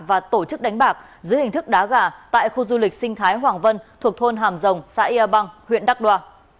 và tổ chức đánh bạc giữa hình thức đá gà tại khu du lịch sinh thái hoàng vân thuộc thôn hàm rồng xã yêu băng huyện đắk đoa